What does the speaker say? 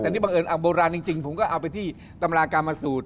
แต่นี่บังเอิญโบราณจริงผมก็เอาไปที่ตำรากามสูตร